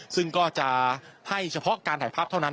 ซึ่งก็จะให้เฉพาะการถ่ายภาพเท่านั้น